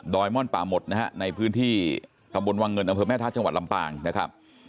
ม่อนป่าหมดนะฮะในพื้นที่ตำบลวังเงินอำเภอแม่ทัศน์จังหวัดลำปางนะครับ